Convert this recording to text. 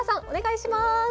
お願いします！